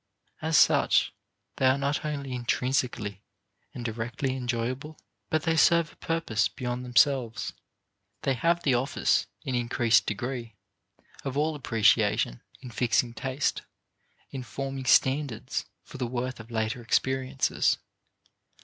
As such, they are not only intrinsically and directly enjoyable, but they serve a purpose beyond themselves. They have the office, in increased degree, of all appreciation in fixing taste, in forming standards for the worth of later experiences.